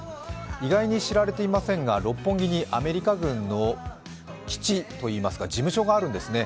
意外に知られていませんが、六本木にアメリカ軍の基地といいますか事務所があるんですね。